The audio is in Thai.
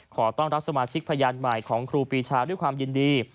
ขอต้อนรับสมาชิกพยานใหม่ของครูปีชาด้วยความยินดี